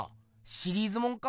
シリーズもんか？